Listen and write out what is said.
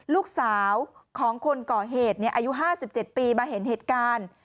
ลูกสาวของคนก่อเหตุอายุ๕๗ปีมาเห็นเหตุการณ์